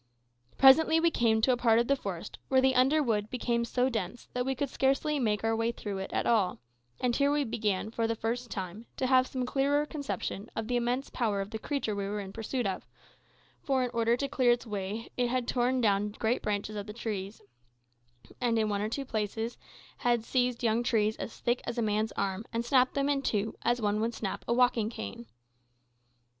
Presently we came to a part of the forest where the underwood became so dense that we could scarcely make our way through it at all, and here we began for the first time to have some clearer conception of the immense power of the creature we were in pursuit of; for in order to clear its way it had torn down great branches of the trees, and in one or two places had seized young trees as thick as a man's arm, and snapped them in two as one would snap a walking cane.